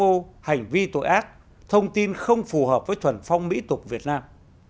mô hành vi tội ác thông tin không phù hợp với thuần phong mỹ tục việt nam